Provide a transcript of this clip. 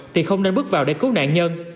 thì không nên bước vào để cứu nạn nhân